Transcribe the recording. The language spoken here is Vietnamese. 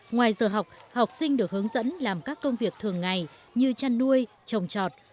ngoài giờ học học sinh được hướng dẫn làm các công việc thường ngày như chăn nuôi trồng trọt